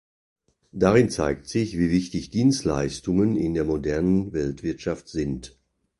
Darin zeigt sich, wie wichtig Dienstleistungen in der modernen Weltwirtschaft sind.